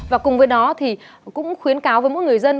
và cùng với đó thì cũng khuyến cáo với mỗi người dân